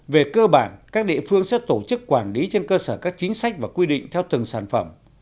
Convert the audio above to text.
về cơ bản các địa phương sẽ tổ chức quản lý trên cơ sở các chính sách và quy định theo từng sản phẩm